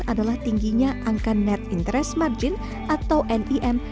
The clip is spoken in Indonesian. adalah tingginya angka net interest margin atau nim